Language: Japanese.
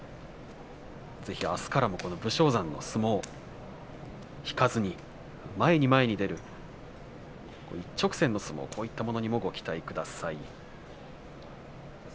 ぜひ、あすからも武将山の相撲引かずに前に前に出る一直線の相撲、こういったものもご期待ください。